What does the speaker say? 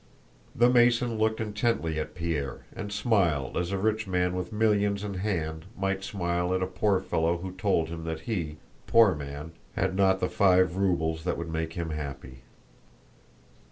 The Mason looked intently at Pierre and smiled as a rich man with millions in hand might smile at a poor fellow who told him that he, poor man, had not the five rubles that would make him happy.